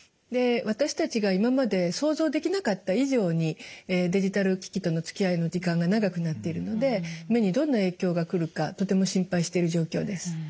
私たちが今まで想像できなかった以上にデジタル機器とのつきあいの時間が長くなっているので目にどんな影響がくるかとても心配している状況です。